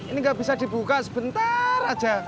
ini nggak bisa dibuka sebentar aja